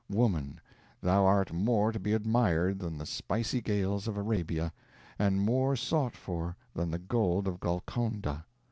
Woman, thou art more to be admired than the spicy gales of Arabia, and more sought for than the gold of Golconda.